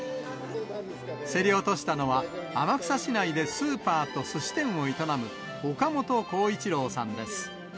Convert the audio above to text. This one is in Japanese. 競り落としたのは、天草市内でスーパーとすし店を営む岡本幸一郎さんです。